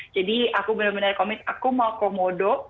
jadi aku benar benar komit aku mau komodo